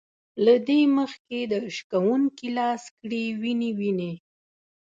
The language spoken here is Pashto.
له دې مخکې د شکوونکي لاس کړي وينې وينې